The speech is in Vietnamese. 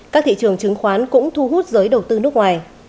các thị trường chứng khoán cũng thu hút giới đầu tư nước ngoài